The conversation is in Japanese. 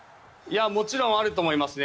もちろんあると思いますね。